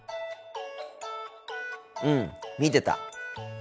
うん見てた。